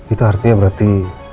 itu artinya berarti